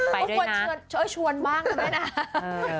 ไปด้วยนะเออชวนบ้างนะแม่น้า